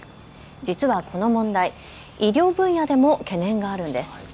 実はこの問題、医療分野でも懸念があるんです。